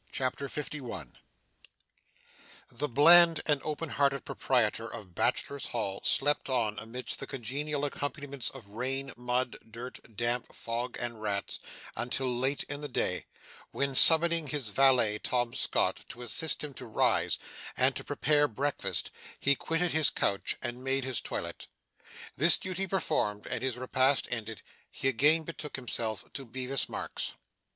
CHAPTER 51 The bland and open hearted proprietor of Bachelor's Hall slept on amidst the congenial accompaniments of rain, mud, dirt, damp, fog, and rats, until late in the day; when, summoning his valet Tom Scott to assist him to rise, and to prepare breakfast, he quitted his couch, and made his toilet. This duty performed, and his repast ended, he again betook himself to Bevis Marks.